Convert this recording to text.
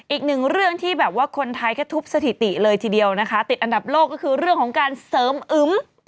อีกหนึ่งเรื่องที่แบบว่าคนไทยแค่ทุบสถิติเลยทีเดียวนะคะติดอันดับโลกก็คือเรื่องของการเสริมอึม